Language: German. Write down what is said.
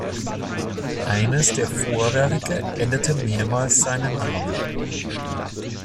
Eines der Vorwerke änderte mehrmals seinen Namen.